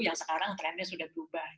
yang sekarang trendnya sudah berubah